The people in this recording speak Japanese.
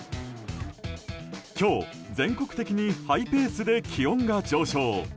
今日、全国的にハイペースで気温が上昇。